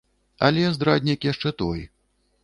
Але здраднік яшчэ той.